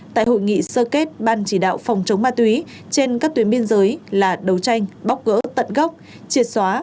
tại hội nghị sơ kết ban chỉ đạo phòng chống ma túy trên các tuyến biên giới là đấu tranh bóc gỡ tận gốc triệt xóa